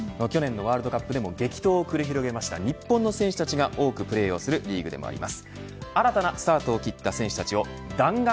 去年のワールドカップでも激闘を繰り広げました日本の選手たちが多くプレーをするリーグでもあります。